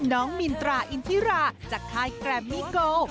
มินตราอินทิราจากค่ายแกรมมี่โก